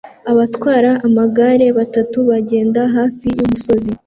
Abatwara amagare batatu bagenda hafi yumusozi